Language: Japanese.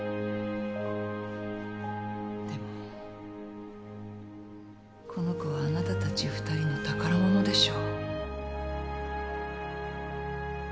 でもこの子はあなたたち２人の宝物でしょ。